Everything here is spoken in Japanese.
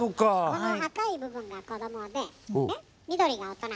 この赤い部分が子どもで緑が大人。